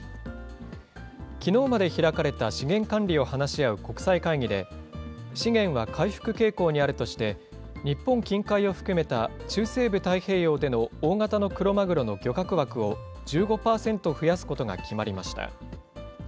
きのうまで開かれた資源管理を話し合う国際会議で、資源は回復傾向にあるとして、日本近海を含めた中西部太平洋での大型のクロマグロの漁獲枠を１５％増やすことが決まりました。